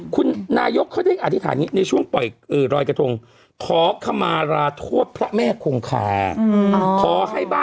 คุณนายกเขาได้อธิษฐานในช่วงปล่อยรอยกระทงขอขมาราโทษพระแม่คงคา